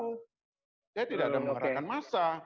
saya tidak ada mengerahkan massa